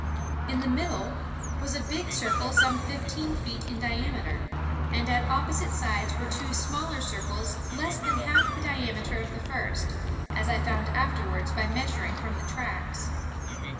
In the middle was a big circle some fifteen feet in diameter, and at opposite sides were two smaller circles less than half the diameter of the first, as I found afterwards by measuring from the tracks.